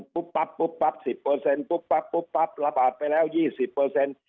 ปั๊บปุ๊บปั๊บ๑๐ปุ๊บปั๊บปุ๊บปั๊บระบาดไปแล้วยี่สิบเปอร์เซ็นต์